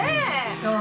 そう？